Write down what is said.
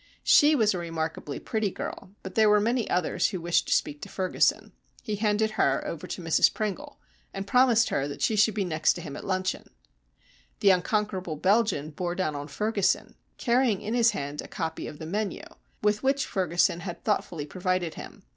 She was a remarkably pretty girl, but there were many others who wished to speak to Ferguson. He handed her over to Mrs Pringle, and promised her that she should be next to him at luncheon. The Unconquerable Belgian bore down on Ferguson, carrying in his hand a copy of the menu, with which Ferguson had thoughtfully provided him.